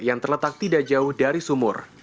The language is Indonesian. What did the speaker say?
yang terletak tidak jauh dari sumur